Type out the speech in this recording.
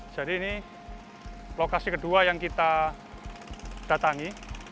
jadi ini lokasi kedua yang kita datangi